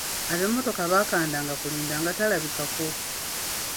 Ab'emmotoka bakandanga kulinda nga talabikako.